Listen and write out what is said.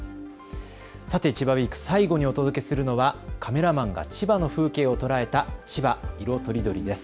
千葉ウイーク、最後にお届けするのはカメラマンが千葉の風景を捉えた千葉いろとりどりです。